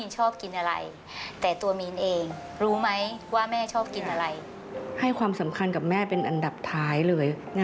ใช่ไหมเออไม่บ่อยเลย